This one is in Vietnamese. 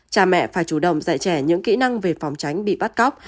cha mẹ phải chủ động dạy trẻ những kỹ năng về phòng tránh bị bắt cóc